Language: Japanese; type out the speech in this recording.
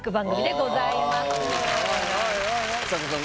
ちさ子さん